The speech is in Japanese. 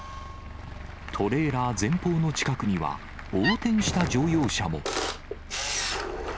トレーラー前方の近くには、横転した乗用車も。